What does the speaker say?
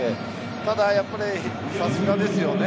ただ、やっぱりさすがですよね。